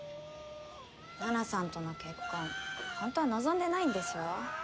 奈々さんとの結婚ほんとは望んでないんでしょ？